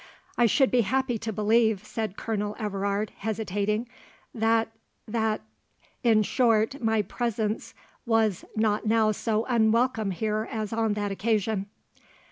"I should be happy to believe," said Colonel Everard, hesitating, "that—that—in short my presence was not now so unwelcome here as on that occasion."